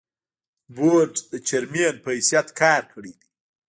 بورډ د چېرمين پۀ حېثيت کار کړے دے ۔